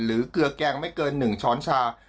เกลือแกงไม่เกิน๑ช้อนชา